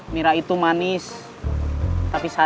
kita juga harus kerja